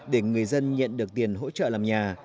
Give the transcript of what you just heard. để người dân nhận được tiền hỗ trợ làm nhà